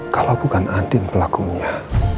kalau bukan andin pelakunya